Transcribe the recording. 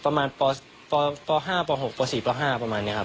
ประมาณป๕ป๖ป๔ป๕ประมาณนี้ครับ